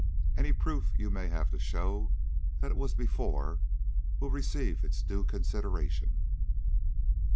Any proof you may have to show that it was before will receive its due consideration."